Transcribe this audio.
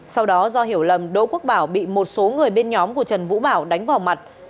sau đó do hiểu lầm đỗ quốc bảo bị một số người bên nhóm của trần vũ bảo đánh vào mặt